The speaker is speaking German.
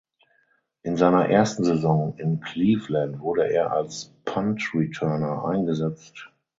In seiner ersten Saison in Cleveland wurde er als Punt Returner eingesetzt.